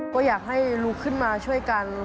ก็อยากให้ลุกขึ้นมาช่วยกัน